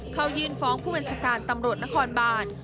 เขายืนฟ้องผู้เวรสิการตำรวจนครบาล